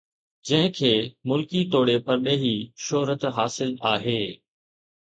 جنهن کي ملڪي توڙي پرڏيهي شهرت حاصل آهي